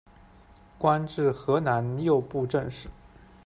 官至河南右布政使。